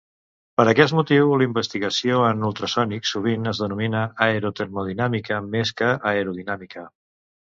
Per aquest motiu, la investigació en ultrasònics sovint es denomina aerotermodinàmica, més que aerodinàmica.